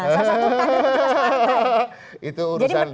salah satu kader untuk mas pdi